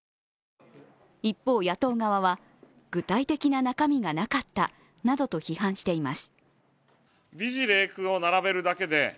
一方、野党側は具体的な中身がなかったなどと批判しています。